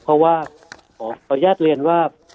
เพราะว่าขออนุญาตเรียนว่า